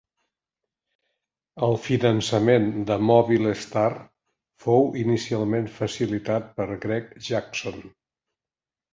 El finançament de MobileStar fou inicialment facilitat per Greg Jackson.